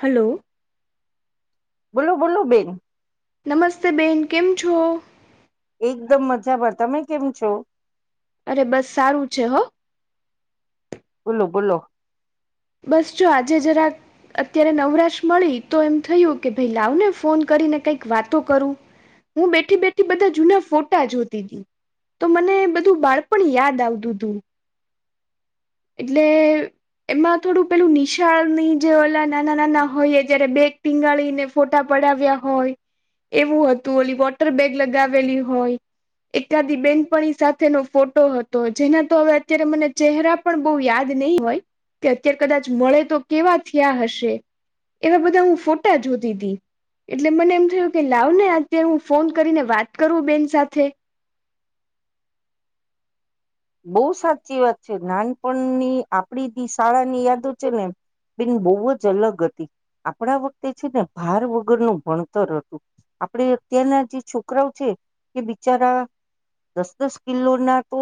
Hello બોલું, બોલું બેન. નમસ્તે બેન કેમ, છો? એકદમ મજા બાર, તમે કેમ છો અરે બસ સારું છે, હો બોલો, બોલો. બસ, જો આજે જરાક અત્યારે નવરાશ મળી, તો એમ થયું કે ભાઈ લાવ ને ફોન કરીને કઈક, વાતો કરું. હું, બેઠી બેઠી બધા જૂના, ફોટા જોતી દ તો મને બધું બાળપણ, યાદ આવતું હતું. એટલે એમાં થોડું પેલું નિશાળ ની જે ઓલા નાના નાના હોય, જયારે બેગ ટીંગાળી ને ફોટા પડ ડાવ્યા હોય, એવું હતું ઓલી વોટર બેગ લગાવેલી હોય એકાદી બેનપણી સાથેનો ફોટો હતો, જેના તો હવે અત્યારે મને ચહેરા પણ બહુ યાદ નહી, હોય. કે અત્યારે કદાચ મળે તો કેવા થયા હશે એવા બધા હું, ફોટા જોતી હતીી એટલે મને એમ થયું, કે લાવ ને અત્યારે હું ફોન કરીને વાત કરું, બેન સાથે બહુ સાચી વાત છે, નાનપણની આપડી બી શાળાની યાદો છે, ને. બન બહુ જ અલગ, હતી આપણા વખતે છે, ને ભાર વગરનું ભણતર હતું. આપડ અત્યારના જે છોકરાઓ છે, એ બિચારા. દસ, દસ કિલો ના તો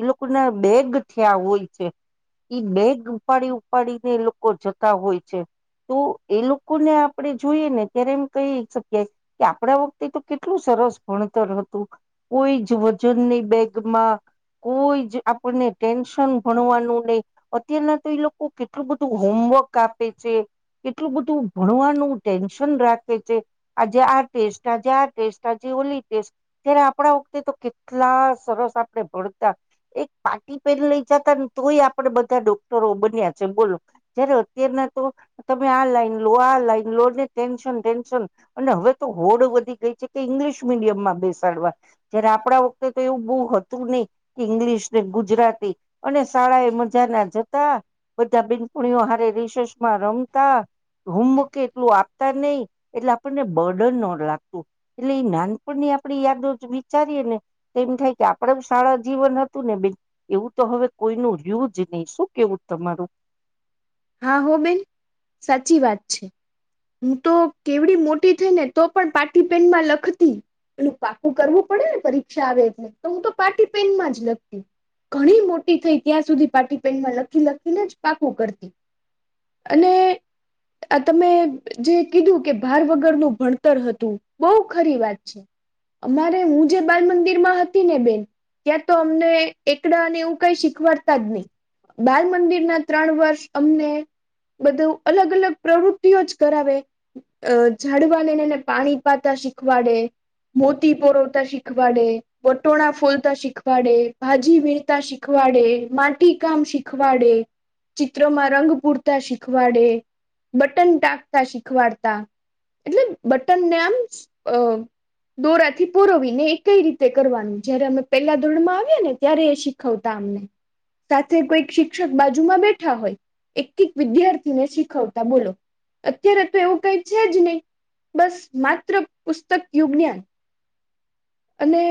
એ લોકોના બેગ, થયા હોય છે. ઈ બેગ ઉપાડી ઉપાડીને લોકો જતા હોય, છે. તો એ લોકો ને આપડણે જોઈએ, ને ત્યારે એમ કહી શકીએ કે આપડા વખતે તો કેટલું છે. સરસ ભણતર હતું, કોઈ જ વજનની બેગમાં. [unintelligible] [inaudible] આપને ટેન્શન ભણવાનું નહી, અત્યારના તો એ લોકો કેટલું બધું હોમવર્ક, આપ. પી, છે. એટલું બધું ભણવાનું ટેન્શન રાખે છે, આજે આ ટેસ્ટ આજ, આ ટેસ્ટ આજે ઓલી ત્યારે આપણા વખતે, તો કેટલા સરસ આપણે ભણતા એક પાટી પેન લઈ, જતા ને તોય આપડે બધા ડોક્ટરો બન્યા છે, બોલો જયારે અત્યારના તમે આ લાઈન લો આ લાઈન, લો ટેન્શન ટેન્શન, અને હવે તો હોડ, વધી ગઈ કે ઇંગ્લિશ મીડિયમમા બેસાડવા, જયારે આપણા વખતે તો એવું બહ હતું, નહી. ઇંગ્લિશ ને ગુજરાતી અને શાળા એ મજાના, જતા બધા બિનપુણીઓ હારી રિસસમા રમતા હોમવર્ક એટલું આપતા નહીિ, એટલે આપણને બર્ડન ન લાગતું, એટલે એ નાનપણની આપણી યાદો વિચારીએ, ને તો એમ થાય કે આપડે શાળા જીવન હતું, ને બેન એવું તો હવે કોઈનું રહ્યું જ નહીં, શું કેવું તમારું હા, હો બેન સાચી વાત છે. હું, તો કેવડી મોટી થઈ, ને તો પણ પાટીી પેનમા લખતી એલ પાકું કરવું પડે ને પરીક્ષા, આવે એટલે તો હું તો પાટી પેનમાં જ લખતી ઘણી મોટી થઈ, ત્યાં સુધી પાટી પેનમાં લખી લખીને જ પાકું કરતી અને આ તમે જે કીધું કે ભાર વગરનું ભણતર હતું બહુ ખરી વાત છે અમારે હું જે બાલ મંદિરમાં હતી ને બેન ત્યાં તો અમને એકડા અને એવું કઈ શીખવાડતા જ નહી બાલ મંદિરના ત્રણ વર્ષ અમને બધું અલગ અલગ પ્રવૃતિઓ જ કરાવે જાઝડવા એને પાણી પાતા શીખવાડે મોતી પરવતા શીખવાડે બટોણા ફોલતા શીખવાડે ભાજી વીણતા શીખવાડે ે માટી કામ શીખવાડે ચિત્રમાં રંગ પૂરતા શીખવાડે બટન ટાકતા શીખવાડતા એટલે બટનને આમ અ દોરાથી પુરોવી ને એ કઈ રીતે કરવાનું જયારે અમે પેલા ધોરણમાં આવ્યા ને ત્યારે એ શીખવતા સાથે કોઈક શિક્ષક બાજુમાં બેઠ હોય એક એક વિદ્યાર્થીને શીખવતા બોલો અત્યારે તો એવું કઈ છે જ નહી બસ માત્ર પુસ્તક યુજ્ઞાન અને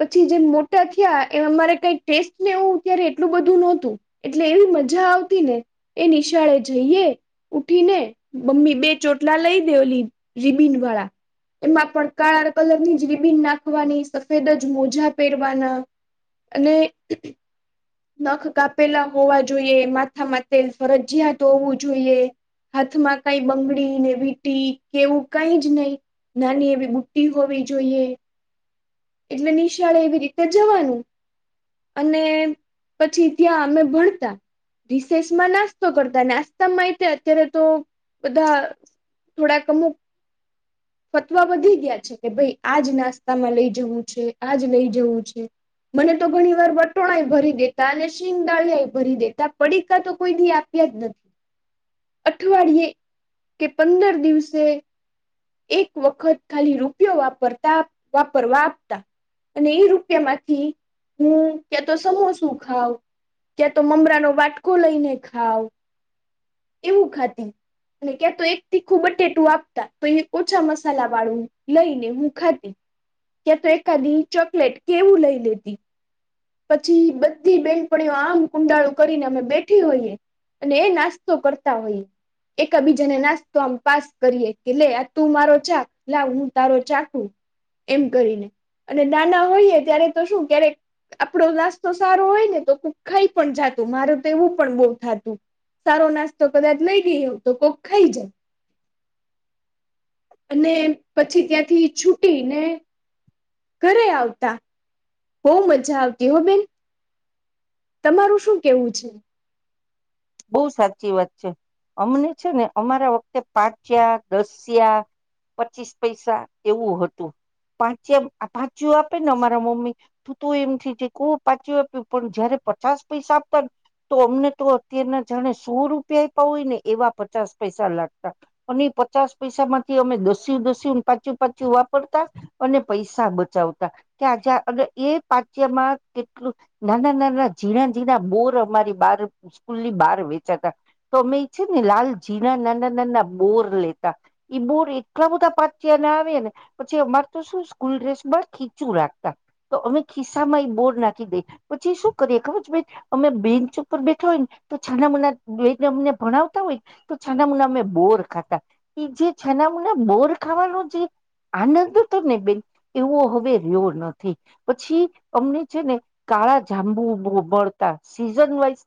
પછી જે મોટા થયા એ અમારે કઈ ટેસ્ટ ને એું્યારે એટલું બધું નહોતું એટલે એવી મજા મજા આવતી ને એ નિશાળે જઈએ ઉઠી ને મમ્મી બે ચોટલા લઈ દેવલી રીબિન વાળા એમાં પણ કાળા કલર ની જ રીબીન નાખવાની સફેદ જ મોજા પહેરવાના અને નખ કાપેલા હોવા જોઈએ માથામાં તેલ ફરજયા તો હોવું જોઈએ હાથમાં કઈ બંગડી ને વીટી કેવું કઈ જ નહી નાની એવી બુટ્ટી હોવી જોઈએ એટલે નિશાળે એવી રીતે જવાનું અને પછી ત્યાં અમે ભણતા રિસેસમાં નાસ્તો કરતા નાસ્તામાં એ અત્યારે તો બધા થોડા કમુ ફતવા વધી ગયા છે કે ભાઈ આજ નાસ્તામાં લઈ જવું છે આજ લઈ જવું છે મને તો ઘણી વાર વટોળ એ ભરી દેતા અને શિંગ દાળિયા ભરી દેતા પડીકા તો કોઈ આપ્યા જ નથી અઠવાડિયે કે પંદર દિવસે એક વખત ખાલી રૂપિયો વાપરતા વાપરવા આપતા અને એ રૂપિયા માંથી હું ક્યા તો સમોસું ખાવ ત્યાં તો મમરા ન વાટકો લઈને ખાવ એવું ખાતી અને ક્યાં તો એક થી ખૂબટેટું આપતા તો એ ઓછા મસાલા વાળું લઈને હું ખાતી કે્યા તો એ કાદી ચોકલેટ કેવું લઈ લ હતી પછી બધી બેનપણીઓ આમ કુંડાળું કરીને અમે બેઠી હોઈએ અને એ નાસ્તો કરતા હોય એકા બીજાને નાસ્તો આમ પાસ કરીએ કે લે આ તું મારો ચાક લાવ હું તારો ચાકુ એમ કરીને અને નાના હોઈએ ત્યારે તો શું ક્યારેક આપડો નાસ્તો સારો હોય ને તો કુક ખાઈ પણ જાતું મારું તો એવું પણ બહ થતું સારો નાસ્તો કદાચ લઈ ગઈ એવું તો કોક ખાઈ જાય અને પછી ત્યાંથી છૂટી ને ઘરે આવતા બહ મજા આવતી હો બેન તમારું શું કેવું છે બહુ સાચી વાત છે અમને છે ને અમારા વખતે પાંચ્યા દસિયા પચીસ પૈસા એવું હતું પાંચ પાચું આપે ને અમારા મમ્મી તું તું એમ થી જે ક પાચું આપ્યું પણ જયારે પચાસ પૈસા પર તો અમને તો અત્યારના જાણે સો રૂપિયા પાાવય ને એવા પચાસ પૈસા લાગતા અને એ પચાસ પૈસા માં થી અમે દસ્યું દસ્યું પાચું પાચું વાપરતા અને પૈસા બચાવતા ત્યાં જ્યાં એ પાચ્યમાં કેટલું નાના નાના ઝીણા ઝીણા બોર અમારી બાર સ્કુલી બહાર વેચાતા તો અમે છે ને લાલ ઝીણા નાના નાના બોર લેતા બોર એટલા બધા પાતયાર ને પછી અમાર તો શું સ્કૂલ ડ્રેસ બ ખીચું રાખતા તો અમે ખિસ્સા માં બોર્ડ નાખી દઈ પછી શું કરીએ ખરચ ભાઈ અમે બેન્ચ ઉપર બેઠા હોય ને તો છાના મુના એને અમને ભણાવતા હોયને તો છાના મુના અમે બોર ખાતા એ જે છાના મને બર ખાવાનું છે આનંદ હતો ને બેન એવો હવે રહ્યો નથી પછી અમને છે ને કાળા જાંબુતા સીઝન વાઈઝ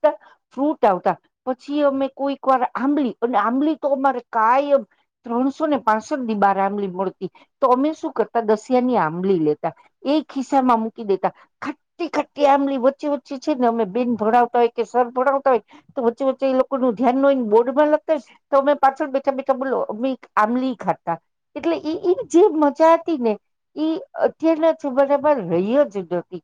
ફ્રૂટ આવતા પછી અમે કોઈક વાર આંબળ અને આંબલી તો અમારે કાયમ ત્રણ સો ને પાસઠ ી બાર આંબળલી મળતી તો અમે શું કરતા દસિયા ની આંબળલી લેતા એકિ માં મૂકી દેતા ખટી ખટી આમલી વચ્ચી વચ્ચી છે ને અમે બેન ભોડાવતા હોય કે સર ભોડાવતા તો વચ્ચે વચ્ચે એ લોકો નું ધ્યાન નને બોર્ડમાં લગતા હોય તો અમે પાછળ બેઠા બેઠા બોલો અ ખાતા એટલે એ એ જેબ મજાતી ને એ અત્યારના જમાનામાં રહ્યો જ નથી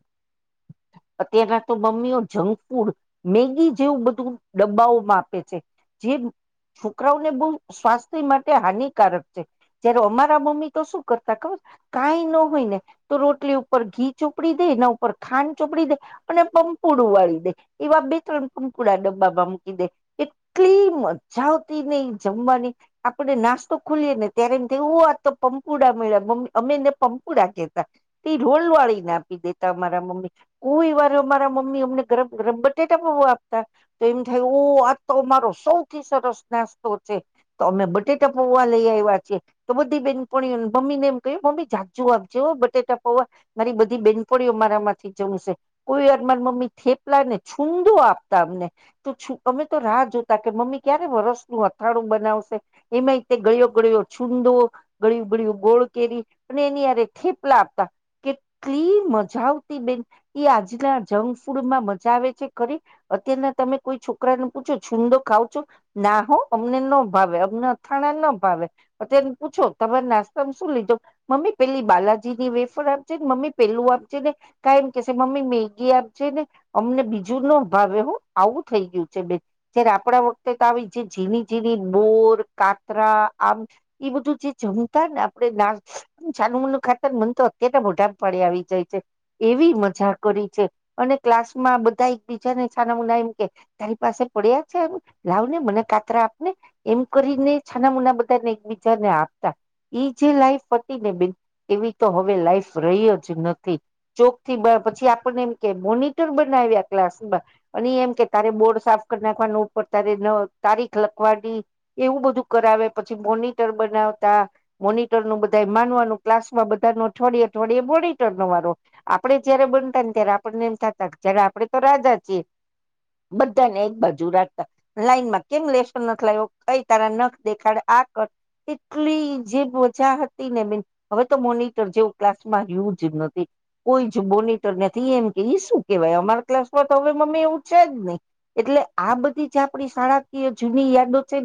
અત્યારના તો મમ્મીઓ જંક ફૂડ મેગી જેવું બધું ડબ્બાઓમાં આપે છે જે છોકરાઓ ને બહુ સ્વાસ્થ્ય માટે હાનિકારક છે જ્યારે અમારા મમ્મી તો શું કરતા ખબર કઈ ન હોય ને તો રોટલી ઉપર ઘી ચોપડી દે એના ઉપર ખાંડ ચોપડી દે અને પૂડું વાળી દે એવા બે ત્રણ કંકુડા ડબ્બા મુકી દે એટલી મજા આવતી ને જમવાની આપણે ના નાસ્તો ખુલી ને ત્યારે તેવું આ પંપુડા મળ્યા મમ્મી અમેને પંપુડા કેતા પૂડં વાળીને આપી દેતા અમારા મમ્મી કોઈ વાર અમારા મમ્મી અમને ગરમ ગરમ બટેટા તો એમ થાય ઓ આ તો અમારો સૌથી સરસ નાસ્તો છે તો અમે બટેટા પોવા લઈ આવ્યા છે તો બધી બેન પણ મમ્મી ને એમ કહ્યું મમ્મી જાજુ આપજો બટેટા પોવા મારી બધી બેનફળીઓ મારા માંથી જવું છે કોઈ વાર મારા મમ્મી થેપલાય ને છૂદો આપતા અમને તો અમે તો રાહ જોતા કે મમ્મી ક્યારે વર્ષ અથાણું બનાવશે એમાં ગળિયો ગળિયો છુંદો ગળિયું ગળિયું ગોળ કેરી અને એની થેપલા આપતા એટલી મજા આવતી બેન એ આજના જંકફૂડમાં મજા આવે છે ખરી અત્યારના તમે કોઈ છોકરાને પૂછો છુંદો ખાવ છો ના હો અમને નો ભાવે અમને અથાણ ના ભાવેને પૂછો તમામે નાસ્તા શું લીધો મમ્મી પેલી બાલાજી ની વેફર આપજે મમ્મી પેલું આપે ને કમ કે મમ્મી મેગી આપજે ને અમને બીજું ન ભાવે આવું થઈ ગયું છે બેન જયારે આપણા વખતે તો આવી જે જીની જીની બોર ખાખરા આમ એ બધું જે જમતા ને આપે ના છનું મોનું ખાતા ને મન તો અત્યારે મોઢા પાણી આવી જાય છે એવી મજા કરી છે અને ક્લાસમાં બધા બીજા ને છાનામના એમ કે તારી પાસે પડ્યા છે એમ લાવ ને મને કાતરા આપને એમ કરી છાના મોના બધા ને એકબીજાને આપતા ઈ જે લાઈફ હતીને બેન એવી તો હવે લાઈફ રહી જ નથી ચોકથી પછી આપને એમ કે મોનિટર બનાવ્યા ક્લાસ અને એમ કે તારે બોર્ડ સાફ કરી નાખવાનું ઉપર તારે તારીખ લખવાની એવું બધું કરાવે પછી મોનિટર બનાવતા મોનિટર નું બધા માનવાનું ક્લાસ માં બધા અઠવાડિય અઠવાડિય એ મોનિટર વારો આપડે જયારે બનતા ને ત્યારે આપણને એમ થતા જ આપડે સ્વરાજા છે બધાને એક બાજુ રાખતા લાઈનમાં કેમ લેશન નથી લ્યો કઈ તારા નખ દેખાડ [unintelligible] એટલી જે મજા હતી ને બેન હવે તો મોનિટર જેવું ક્લાસમાં રહયુ જ નથી કોઈ જ મોનિટર નથી એમ કે શું કેવાય અમાર ક્લાસ તો હવે મમ્મી એવું છે જ નહી એટલે આ બધી જે આપણી શાળાકીય જૂની યાદો છે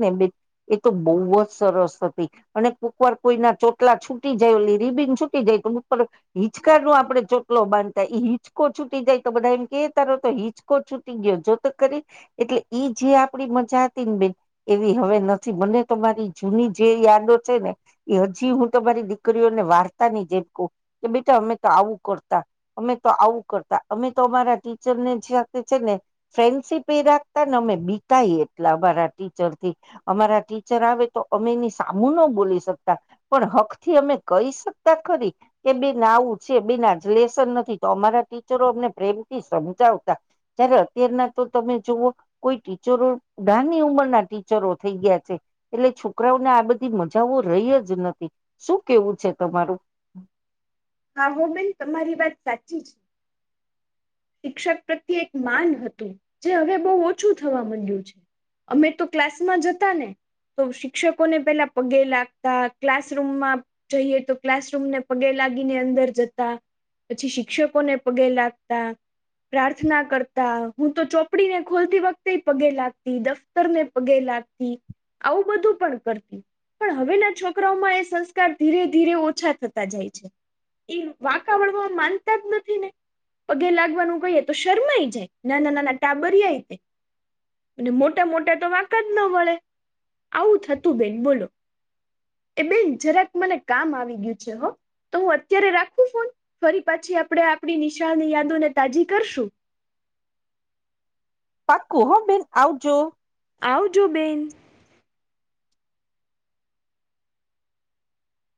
એ તો બહુ જ સરસ હતી અને કોકવાર કોઈના ચોટલા છૂટી જાયલી રિબીન છૂટી જાય તો હિચકા નો આપડે ચોટલો બાંધતા એ હિચકો છૂટી જાય તો બધા એમ કે તો હિચકો છૂટી ગયો જો તો કરી એટલે ઈ જે આપડી મજા હતી ને બેન એવી હવે નથી મને તમારી જૂની જે યાદો છે ને એ હજી હું તમારી દીકરીઓને વાતાં જેમ કહુ કે બેટા અમે તો આવું કરતા અમે તો આવું કરતા અમે તો અમારા ટીચરને જે છે ને ફ્રેન્ડશીપ એ રાખતા ને અમે બીતાઈ એટલે અમારા ટીચર થી અમારા ટીચર આવે તો અમે એની સામું ન બોલી શકતા પણ હક થી અમે કહી શકતા કરી કે બેન આવું છે બેનજ લેશન નથી તો અમારા ટીચરો અમને પ્રેમ થી સમજાવતા જયારે અત્યારના તો તમે જુવઓ કોઈ ટીચરો નાની ઉંમરના ટીચરો થઈ ગયા છે એટલે છોકરાઓને આ બધી મજાઓ રહી જ નથી શું કેવું છે તમારું [inaudible] હા હો બેન તમારી વાત સાચી છે શિક્ષક પ્રત્યે એક માન હતું જે હવે બહુ ઓછું થવા માંડ્યું છે અમે તો ક્લાસ માં જતા ને તો શિક્ષકોને પેલા પગે લાગતા ક્લાસરૂમમાં જઈએ તો ક્લાસરૂમને પગે લાગીને અંદર જતા પછી શિક્ષકોને પગે લાગતા પ્રાર્થના કરતા હું તો ચોપડી ને ખોલતી વખતે પગે લાગતી દફતર ને પગે લાગતી આવું બધું પણ કરતી પણ હવેના છોકરાઓમાં એ સંસ્કાર ધીરે ધીરે ઓછા થતા જાય છે એ વાકવરવા માનતા જ નથી ને પગે લાગે ગઈ તો શરમાઈ જાય નાના નાના ટાબરિયા તે અને મોટા મોટા તો વાંકા જ ન વે આવું થતું બેન બોલો એ બેન જરાક મને કામ આવી ગયું છે હો તો હું અત્યારે રાખું ફોન ફરી પાછી આપડણે આપણી નિશાળની યાદોને તાજી કરશું પાકું હ બેન આવજો આવજો બેન